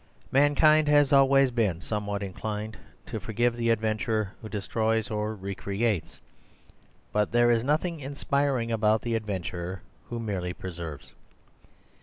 Mankind has always been somewhat inclined to forgive the adventurer who destroys or re creates, but there is nothing inspiring about the adventurer who merely preserves.